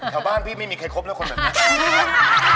บ้านพี่ไม่มีใครครบแล้วคนแบบนี้